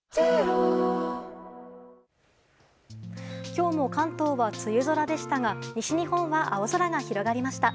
今日も関東は梅雨空でしたが西日本は青空が広がりました。